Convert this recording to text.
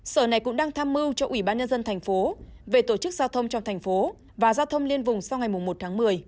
sở này cũng đang tham mưu cho ubnd tp hcm về tổ chức giao thông trong thành phố và giao thông liên vùng sau ngày một tháng một mươi